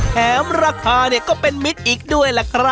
แถมราคาก็เป็นมิตรอีกด้วย